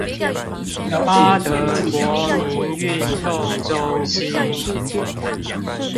八德國民運動中心